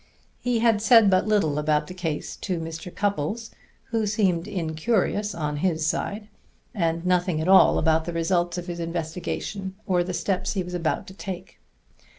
He had said but little about the case to Mr. Cupples, who seemed incurious on his side, and nothing at all about the results of his investigation or the steps he was about to take.